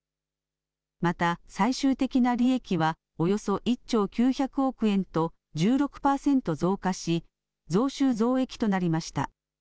また最終的な利益はおよそ１兆９００億円と１６％増加し、増収増益となりました。